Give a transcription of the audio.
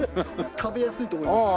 食べやすいと思います。